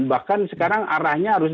bahkan sekarang arahnya harus